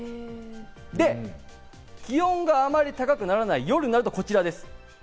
で、気温があまり高くならない夜になると、こちらです。